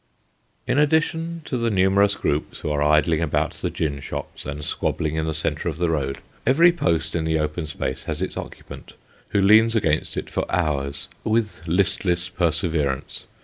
In addition to the numerous groups who are idling about the gin shops and squabbling in the centre of the road, every post in the open space has its occupant, who leans against it for hours, with listless per severance.